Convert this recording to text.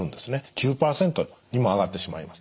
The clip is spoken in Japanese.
９％にも上がってしまいます。